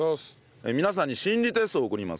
皆さんに心理テストを送ります。